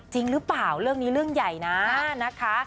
จริงหรือเปล่าเรื่องนี้เรื่องใหญ่นะนะคะ